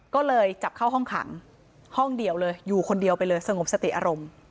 ก็เลยจับเข้าห้องขังห้องเดียวเลยอยู่คนเดียวไปเลยสงบสติอารมณ์